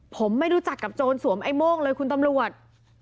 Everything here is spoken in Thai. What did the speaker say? ผมไม่รู้จักกับโจรสวมไอ้โม่งเลยคุณตำรวจ